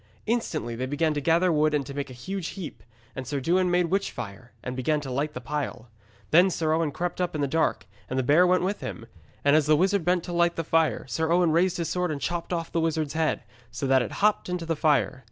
Instantly they began to gather wood and to make a huge heap. And Sir Dewin made witchfire, and began to light the pile. Then Sir Owen crept up in the dark, and the bear went with him. And as the wizard bent to light the fire, Sir Owen raised his sword and chopped off the wizard's head, so that it hopped into the fire.